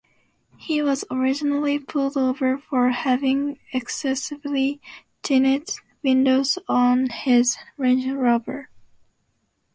He was originally pulled over for having excessively tinted windows on his Range Rover.